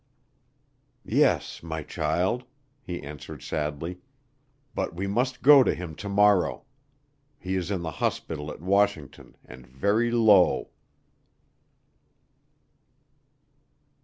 "Yes, my child," he answered sadly, "but we must go to him to morrow. He is in the hospital at Washington and very low."